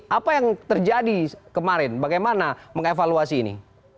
apa yang terjadi kemarin bagaimana mengevaluasi ini